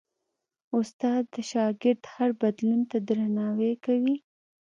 استاد د شاګرد هر بدلون ته درناوی کوي.